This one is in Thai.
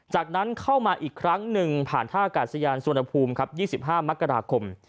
จากนั้นเข้ามาอีกครั้งหนึ่งผ่านท่ากาศยานสุวรรณภูมิครับ๒๕มกราคม